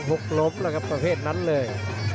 หกลงพระเภทนั้นเลย